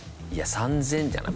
３０００じゃない。